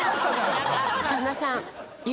さんまさん。